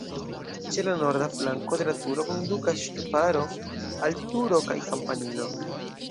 Ĉe la norda flanko de la turo kondukas ŝtuparo al turo kaj kampanilo.